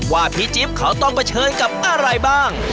ว่าพี่จิ๊บเขาต้องเผชิญกับอะไรบ้าง